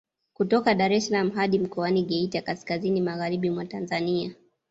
Kutoka Daressalaam hadi mkoani Geita kaskazini magharibi mwa Tanzania